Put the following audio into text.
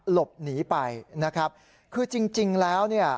หลบหนีไปนะครับคือจริงแล้ว